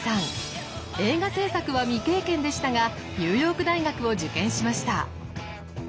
映画制作は未経験でしたがニューヨーク大学を受験しました。